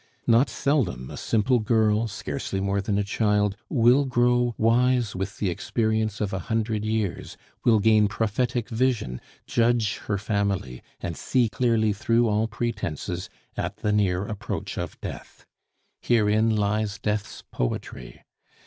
Not seldom a simple girl, scarcely more than a child, will grow wise with the experience of a hundred years, will gain prophetic vision, judge her family, and see clearly through all pretences, at the near approach of Death. Herein lies Death's poetry.